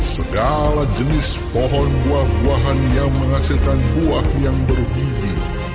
segala jenis pohon buah buahan yang menghasilkan buah yang bergidi